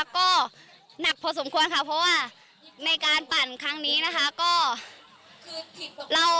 ก็หนักพอสมควรค่ะเพราะว่าในการปั่นครั้งนี้นะคะก็คือเรา